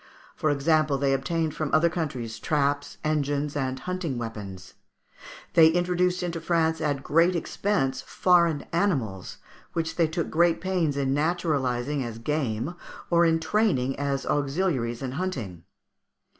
For example, they obtained from other countries traps, engines, and hunting weapons; they introduced into France at great expense foreign animals, which they took great pains in naturalising as game or in training as auxiliaries in hunting.